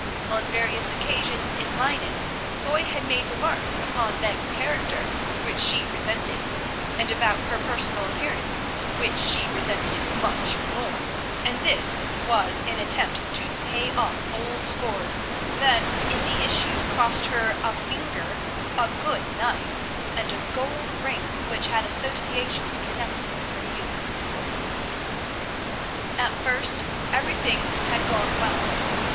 On various occasions in Leyden Foy had made remarks upon Meg's character which she resented, and about her personal appearance, which she resented much more, and this was an attempt to pay off old scores that in the issue cost her a finger, a good knife, and a gold ring which had associations connected with her youth. At first everything had gone well.